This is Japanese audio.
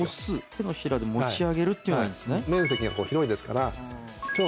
手のひらで持ち上げるっていうのがいいんですね。